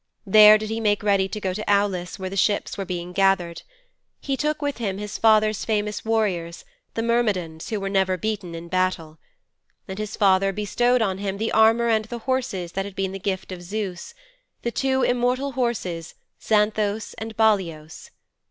There did he make ready to go to Aulis where the ships were being gathered. He took with him his father's famous warriors, the Myrmidons who were never beaten in battle. And his father bestowed on him the armour and the horses that had been the gift of Zeus the two immortal horses Xanthos and Balios.